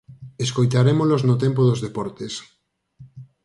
Escoitarémolos no tempo dos deportes.